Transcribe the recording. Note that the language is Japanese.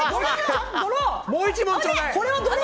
もう１問ちょうだい！